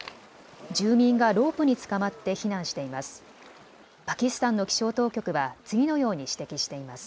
住民がロープにつかまって避難しています。